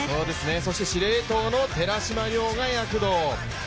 そして司令塔の寺嶋良が躍動。